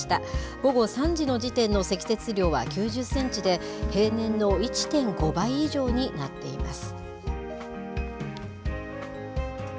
午後３時の時点の積雪量は９０センチで、平年の１．５倍以上になっています。